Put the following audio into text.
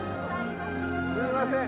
すいません。